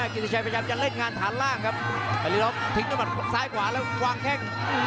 กิติชัยพยายามจะเล่นงานฐานล่างครับภัยรอบทิ้งให้มันซ้ายขวาแล้วความแข็ง